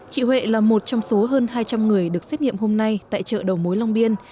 chị huệ là một trong số hơn hai trăm linh người được xét nghiệm hôm nay tại chợ đầu mối long biên